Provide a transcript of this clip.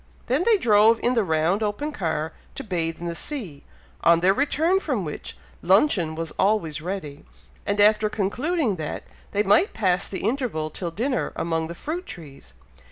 They then drove in the round open car, to bathe in the sea, on their return from which, luncheon was always ready, and after concluding that, they might pass the interval till dinner among the fruit trees.